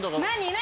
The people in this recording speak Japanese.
何？